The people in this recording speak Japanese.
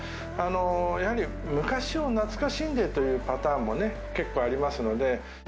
やはり昔を懐かしんでというパターンもね、結構ありますので。